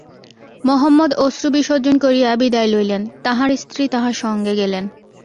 মহম্মদ অশ্রুবিসর্জন করিয়া বিদায় লইলেন, তাঁহার স্ত্রী তাঁহার সঙ্গে গেলেন।